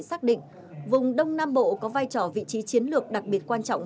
xác định vùng đông nam bộ có vai trò vị trí chiến lược đặc biệt quan trọng